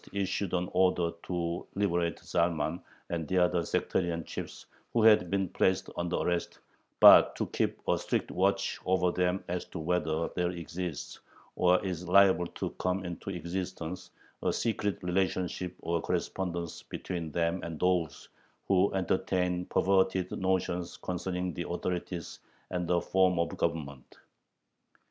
issued an order to liberate Zalman and the other sectarian chiefs who had been placed under arrest, but to keep "a strict watch over them as to whether there exists, or is liable to come into existence, a secret relationship or correspondence between them and those who entertain perverted notions concerning the authorities and the form of Government."